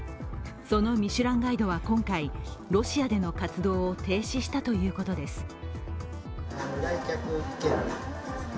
その「ミシュランガイド」は今回ロシアでの活動を停止したということです。